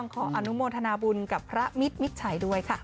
ขออนุโมทนาบุญกับพระมิตรมิดชัยด้วยค่ะ